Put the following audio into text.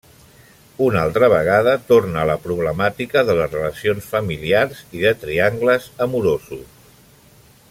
Una altra vegada torna la problemàtica de les relacions familiars i de triangles amorosos.